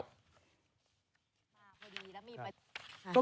ถือเป็นนโยบายของสภาทนายความอยู่แล้ว